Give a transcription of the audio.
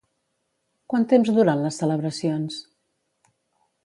Quant temps duren les celebracions?